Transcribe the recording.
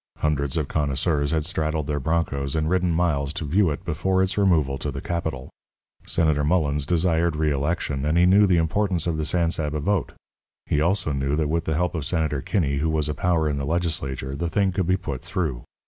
Hundreds of connoisseurs had straddled their broncos and ridden miles to view it before its removal to the capital. Senator Mullens desired reëlection, and he knew the importance of the San Saba vote. He also knew that with the help of Senator Kinney who was a power in the legislature the thing could be put through.